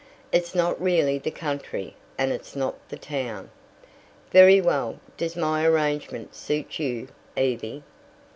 "It's not really the country, and it's not the town." "Very well. Does my arrangement suit you, Evie?"